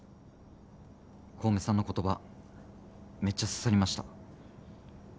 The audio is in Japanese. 小梅さんの言葉めっちゃ刺さりました。